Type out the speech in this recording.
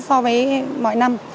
so với mọi năm